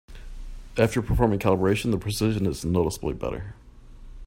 After performing calibration, the precision is noticeably better.